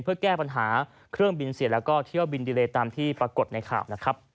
เพื่อแก้ปัญหาเครื่องบินเสียแล้วก็เที่ยวบินดีเลตามที่ปรากฏในข่าวนะครับ